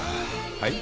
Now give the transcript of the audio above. はい？